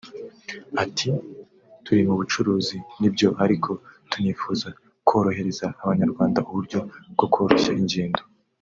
ati”turi muri bucuruzi ni byo ariko tunifuza korohereza abanyarwanda uburyo bwo koroshya ingendo